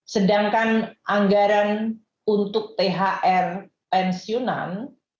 sedangkan anggaran untuk thr pensiunan